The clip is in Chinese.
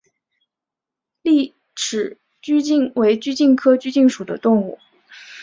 栗齿鼩鼱为鼩鼱科鼩鼱属的动物。